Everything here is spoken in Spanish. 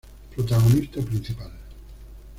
Protagonista principal.